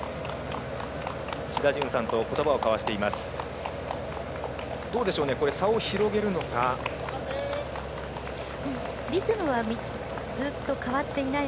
志田淳さんとことばを交わしています。